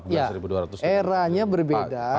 ya eranya berbeda